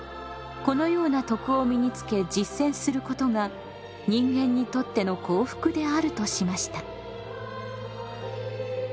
このような徳を身につけ実践することが人間にとっての幸福であるとしました。